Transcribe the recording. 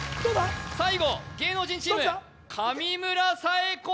最後芸能人チーム上村彩子